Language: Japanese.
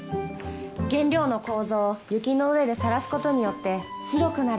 原料の楮を雪の上でさらすことによって白くなるんだって。